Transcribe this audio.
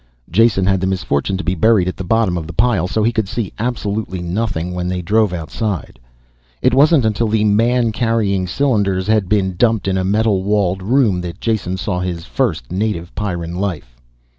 Jason had the misfortune to be buried at the bottom of the pile so he could see absolutely nothing when they drove outside. It wasn't until the man carrying cylinders had been dumped in a metal walled room, that Jason saw his first native Pyrran life.